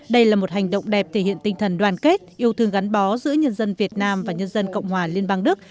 đây là một hành động đẹp thể hiện tinh thần đoàn kết yêu thương gắn bó giữa nhân dân việt nam và nhân dân cộng hòa liên bang đức